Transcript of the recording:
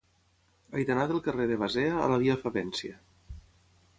He d'anar del carrer de Basea a la via Favència.